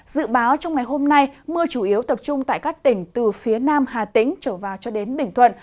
dự báo trong ngày hôm nay mưa chủ yếu tập trung tại các tỉnh từ phía nam hà tĩnh trở vào cho đến bình thuận